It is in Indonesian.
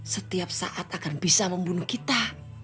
setiap saat akan bisa membunuh kita